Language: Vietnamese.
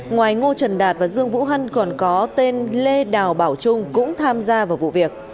ngoài ngô trần đạt và dương vũ hân còn có tên lê đào bảo trung cũng tham gia vào vụ việc